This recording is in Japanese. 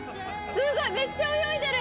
すごいめっちゃ泳いでる。